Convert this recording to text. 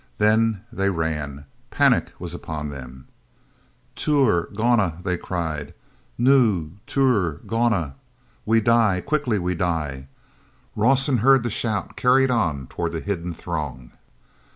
Then they ran; panic was upon them. "Tur—gona!" they cried, "Nu—tur—gona! We die! Quickly we die!" Rawson heard the shout carried on toward the hidden throng.